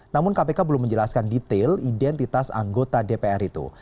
namun kpk belum menjelaskan detail identitas anggota dpr itu